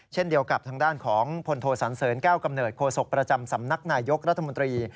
เช่นเดียวกับทางด้านของพลโทสันเสริญแก้วกำเนิดโศกประจำสำนักนายยกรัฐมนตรี